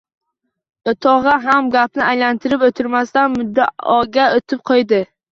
O‘tog‘a ham gapni aylantirib o‘tirmasdan muddaoga o‘tdi-qo‘ydi